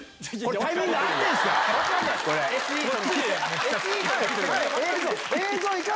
タイミング合ってるんですか？